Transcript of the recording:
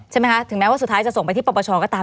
ใช่ไหมคะถึงแม้ว่าสุดท้ายจะส่งไปที่ปปชก็ตาม